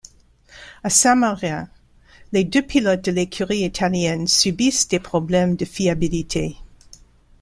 À Saint-Marin, les deux pilotes de l'écurie italienne subissent des problèmes de fiabilité.